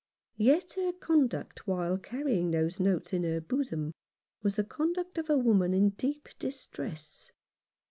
Yet her conduct while carrying those notes in her bosom was the conduct of a woman in deep distress.